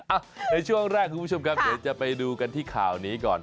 ในช่วงแรกคุณผู้ชมครับเดี๋ยวจะไปดูกันที่ข่าวนี้ก่อน